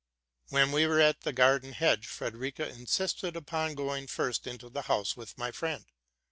When we were at the garden hedge, Frederica insisted upon going first into the house with my friend.